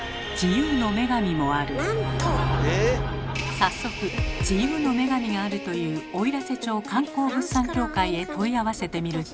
早速自由の女神があるというおいらせ町観光物産協会へ問い合わせてみると。